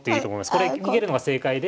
これ逃げるのが正解で。